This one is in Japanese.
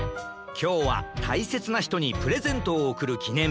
きょうはたいせつなひとにプレゼントをおくるきねんび